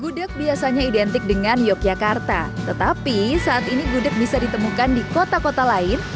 gudeg biasanya identik dengan yogyakarta tetapi saat ini gudeg bisa ditemukan di kota kota lain